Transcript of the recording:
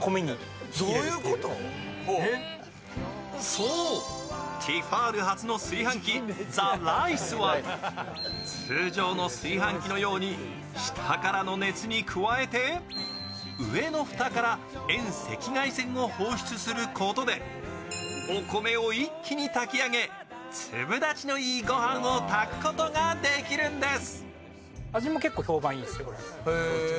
そう、Ｔ−ｆａｌ初の炊飯器ザ・ライスは通常の炊飯器のように下からの熱に加えて上の蓋から遠赤外線を放出することで、お米を一気に炊き上げ粒立ちのいいごはんを炊くことができるんです。